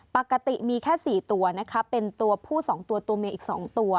ปกติมีแค่๔ตัวนะคะเป็นตัวผู้๒ตัวตัวเมียอีก๒ตัว